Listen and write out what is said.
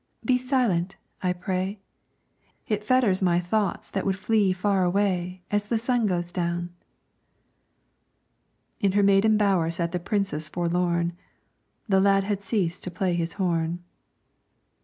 Be silent, I pray, It fetters my thoughts that would flee far away, As the sun goes down." In her maiden bower sat the Princess forlorn, The lad had ceased to play on his horn.